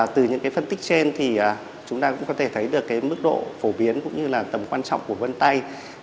từ những phân tích trên thì chúng ta cũng có thể thấy được mức độ phổ biến cũng như là tầm quan trọng của vân tay